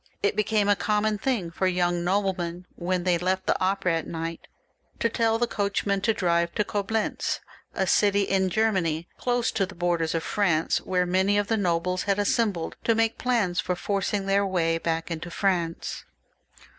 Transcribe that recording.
It became a common thing for young noblemen, when they ^ left the opera at night, to tell the coachman to drive to Coblentz, a city in Germany, close to the borders of France, where many of the nobles had assembled to make plans for forcing then* way back into France.